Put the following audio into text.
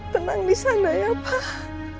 tenang disana ya pak